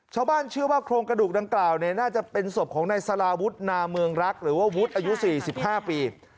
ชาวบ้านเชื่อว่าโครงกระดูกดังกล่าวน่าจะเป็นศพของนายสาราวุฒินาเมืองรักหรือว่าวุฒิอายุ๔๕ปี